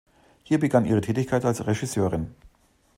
Hier begann ihre Tätigkeit als Regisseurin.